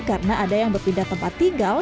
karena ada yang berpindah tempat tinggal